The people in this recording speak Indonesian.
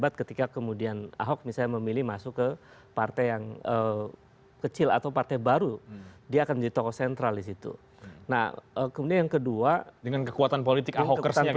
terima kasih terima kasih